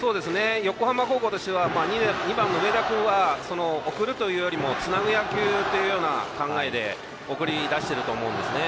横浜高校としては２番の上田君は送るというよりもつなぐ野球という考えで送り出していると思うんですね。